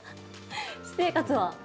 私生活は？